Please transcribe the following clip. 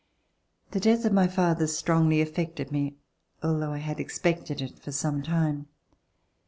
The death of my father strongly affected me, al though I had expected it for some time.